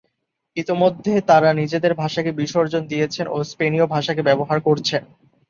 ইতোমধ্যে তারা নিজেদের ভাষাকে বিসর্জন দিয়েছেন ও স্পেনীয় ভাষাকে ব্যবহার করছেন।